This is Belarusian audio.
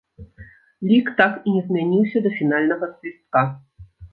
Лік так і не змяніўся да фінальнага свістка.